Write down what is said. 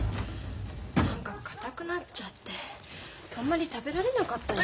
何かかたくなっちゃってあんまり食べられなかったの。